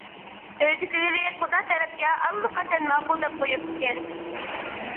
ئۆيىدىكىلىرى قۇدا تەرەپكە ئاللىقاچان ماقۇل دەپ قۇيۇپتىكەن.